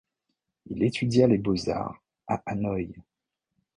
Il étudia les Beaux-Arts à Hanoï.